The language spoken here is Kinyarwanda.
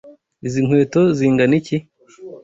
Izi nkweto zingana iki?